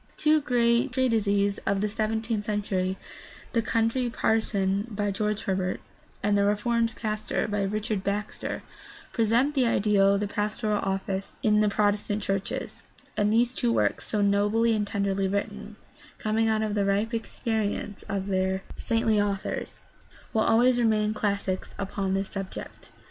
Two great treatises of the seventeenth century, The Country Parson, by George Herbert, and The Reformed Pastor, by Richard Baxter, present the ideal of the pastoral office in the Protestant churches, and these two works, so nobly and tenderly written, coming out of the ripe experience of their 6i2 GUIDE TO STUDY OF CHRISTIAN RELIGION saintly authors, will always remain classics upon the subject.